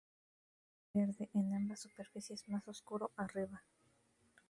Suave y verde en ambas superficies, más oscuro arriba.